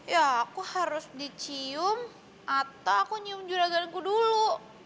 ya aku harus dicium atau aku cium juragan aku dulu